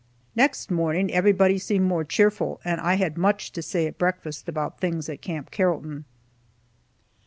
Next morning everybody seemed more cheerful, and I had much to say at breakfast about things at Camp Carrollton.